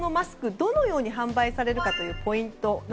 どのように販売されるかというポイント。